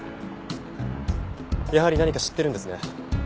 やはり何か知ってるんですね？